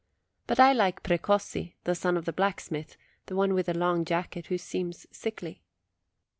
But I like Precossi, the son of the blacksmith, the one with the long jacket, who seems sickly.